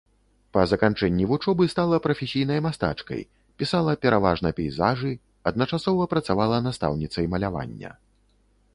Па заканчэнні вучобы стала прафесійнай мастачкай, пісала пераважна пейзажы, адначасова працавала настаўніцай малявання.